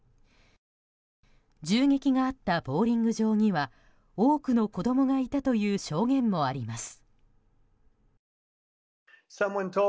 銃撃があったボウリング場には多くの子供がいたという証言もあります。